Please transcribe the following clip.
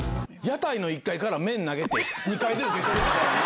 屋台の１階から麺投げて２階で受け取るみたいな。